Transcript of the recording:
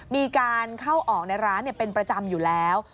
มีการเข้าออกในร้านเป็นประจำอยู่แล้ว